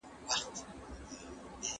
که لاسلیک وي نو هویت نه ورکیږي.